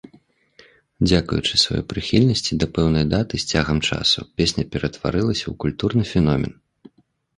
Дзякуючы сваёй прыхільнасці да пэўнай даты, з цягам часу песня ператварылася ў культурны феномен.